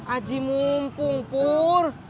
aji mumpung pur